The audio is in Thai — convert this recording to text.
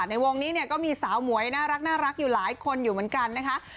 ในวงนี้เนี่ยก็มีสาวหมวยน่ารักอยู่หลายคนอยู่เหมือนกันนะคะ